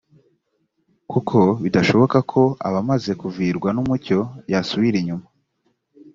kuko bidashoboka ko abamaze kuvirwa n’umucyo yasubira inyuma